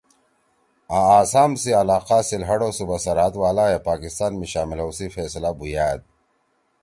آں آسام سی علاقہ سلہٹ او صوبہ سرحد والائے پاکستان می شامل ہؤ سی فیصلہ بُھویأد